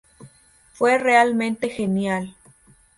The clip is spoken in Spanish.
Fue realmente genial".